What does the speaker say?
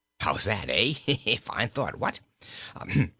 How's that, eh? Fine thought, what?